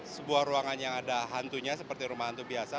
sebuah ruangan yang ada hantunya seperti rumah hantu biasa